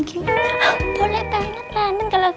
kiki tinggal ya mbak ya